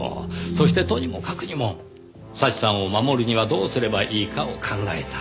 そしてとにもかくにも祥さんを守るにはどうすればいいかを考えた。